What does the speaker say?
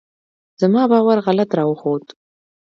زما باور غلط راوخوت.